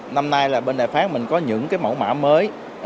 năm nay là bên đài phán mình có những cái mẫu mã mới